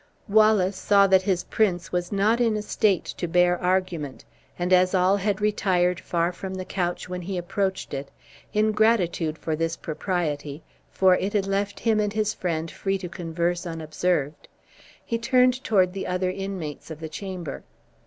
Wallace saw that his prince was not in a state to bear argument, and as all had retired far from the couch when he approached it, in gratitude for this propriety (for it had left him and his friend free to converse unobserved), he turned toward the other inmates of the chamber.